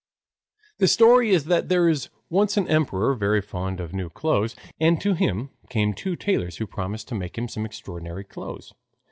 The story is that there was once an emperor, very fond of new clothes. And to him came two tailors, who promised to make him some extraordinary clothes.